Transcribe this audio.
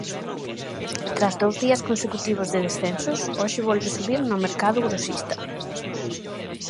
Tras dous días consecutivos de descensos, hoxe volve subir no mercado grosista.